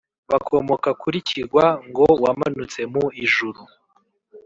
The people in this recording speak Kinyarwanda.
bakomoka kuri kigwa (ngo wamanutse mu ijuru)